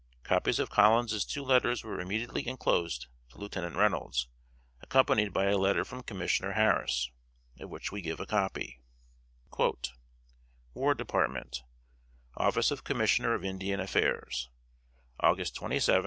Copies of Collins's two letters were immediately enclosed to Lieutenant Reynolds, accompanied by a letter from Commissioner Harris, of which we give a copy: "WAR DEPARTMENT, } Office of Commissioner of Indian Affairs,} August 27, 1837.